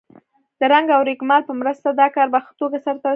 د رنګ او رېګمال په مرسته دا کار په ښه توګه سرته رسیږي.